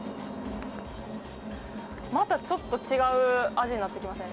またちょっと違う味になってきますね。